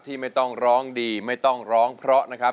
ไม่ต้องร้องดีไม่ต้องร้องเพราะนะครับ